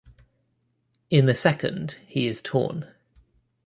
In the second, he is torn.